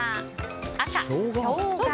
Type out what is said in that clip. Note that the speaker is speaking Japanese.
赤、ショウガ。